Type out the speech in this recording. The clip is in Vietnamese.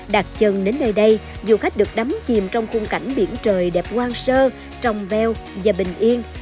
đặc trưng đến nơi đây du khách được đắm chìm trong khung cảnh biển trời đẹp quang sơ trong veo và bình yên